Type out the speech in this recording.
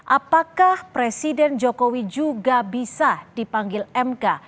apakah presiden jokowi juga bisa dipanggil mk